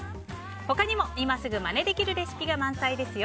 他にも今すぐまねできるレシピが満載ですよ。